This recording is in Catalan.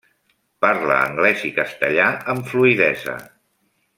Parla anglès i castellà amb fluïdesa.